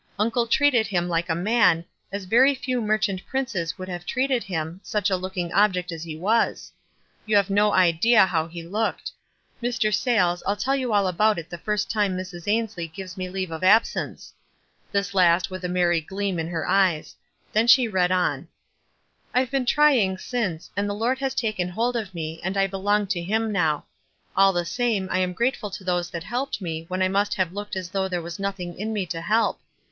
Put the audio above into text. Uncle treated him like a man, as very few merchant princes would have treated him, such a looking object as he was. You have no idea how he looked. Mr. Sayles, I'll tell you all about it the first time Mrs. Ainslie gives me leave of 292 WISE AND OTHERWISE. absence." This last with a merry gleam in hei eyes ; then she read on : "I've been trying since, and the Lord has taken hold of me, and I belong to him now; all the same I am grateful to those that helped me when I must have looked as though there was nothing in me to help.